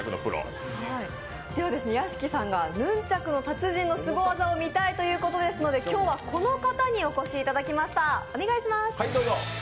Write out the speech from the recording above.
屋敷さんがヌンチャクの達人のすご技を見たいということで今日はこの方にお越しいただきました。